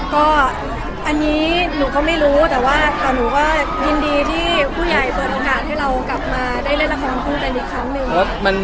ก็อันนี้หนูก็ไม่รู้แต่ว่าค่ะหนูก็ยินดีที่ผู้ใหญ่เปิดโอกาสให้เรากลับมาได้เล่นละครคู่กันอีกครั้งหนึ่ง